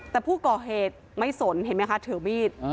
แต่ผู้ก่อเหตุไม่สนเห็นไหมคะถือมีด